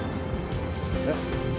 えっ？